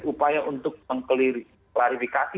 upaya untuk mengklarifikasi